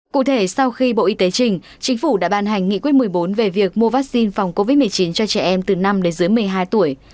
cụ thể sau khi bộ y tế trình chính phủ đã ban hành nghị quyết một mươi bốn về việc mua vaccine phòng covid một mươi chín cho trẻ em từ năm đến dưới một mươi hai tuổi